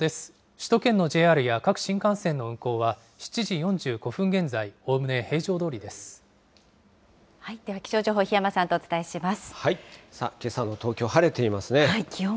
首都圏のＪＲや各新幹線の運行は、７時４５分現在、おおむね平常どでは、気象情報、けさの東京、晴れていますね。